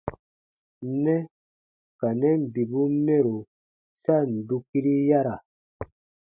Nɛ ka nɛn bibun mɛro sa ǹ dukiri yara.